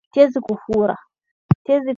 Tezi kufura